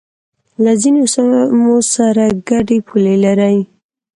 له ځینو سیمو سره گډې پولې لري